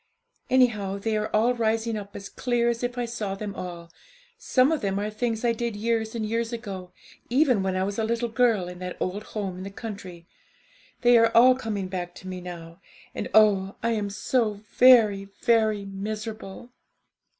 Anyhow, they are all rising up as clear as if I saw them all; some of them are things I did years and years ago, even when I was a little girl in that old home in the country; they are all coming hack to me now, and oh, I am so very, very miserable!'